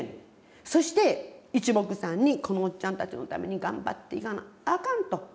そしていちもくさんにこのおっちゃんたちのために頑張っていかなあかんと。